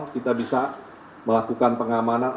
kita bisa melakukan pengamanan